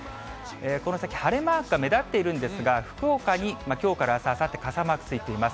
この先晴れマークが目立っているんですが、福岡にきょうからあすあさって傘マークついています。